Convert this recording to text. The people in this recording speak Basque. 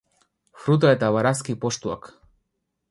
Fruta eta barazki postuak.